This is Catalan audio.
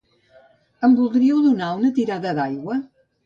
Em voldríeu donar una tirada d'aigua?